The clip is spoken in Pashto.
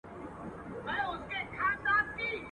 ستا دي غاړه وي په ټوله قام کي لکه.